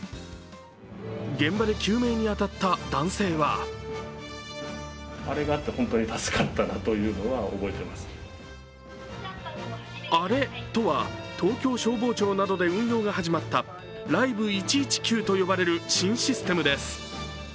現場で救命に当たった男性は「あれ」とは、東京消防庁などで運用が始まったＬｉｖｅ１１９と呼ばれる新システムです。